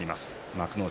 幕内